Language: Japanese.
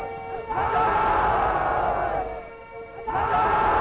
万歳！